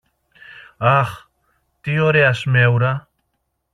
Αχ, τι ωραία σμέουρα!